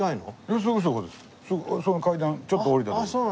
その階段ちょっと下りたとこ。